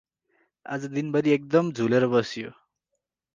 अाज दिनभरि एकदम झुलेर बसियो ।